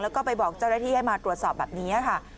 แล้วก็ไปบอกเจ้าหน้าที่ให้มาตรวจสอบแบบนี้ค่ะ